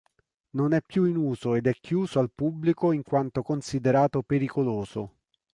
Non è più in uso ed è chiuso al pubblico in quanto considerato pericoloso.